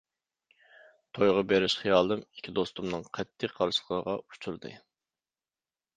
تويغا بېرىش خىيالىم ئىككى دوستۇمنىڭ قەتئىي قارشىلىقىغا ئۇچرىدى.